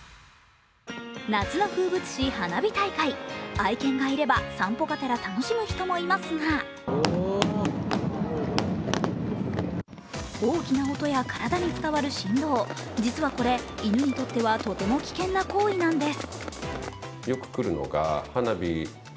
愛犬がいれば散歩がてら楽しむ人もいますが大きな音や体に伝わる振動実はこれ、犬にとってはとても危険な行為なんです。